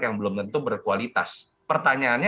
yang belum tentu berkualitas pertanyaannya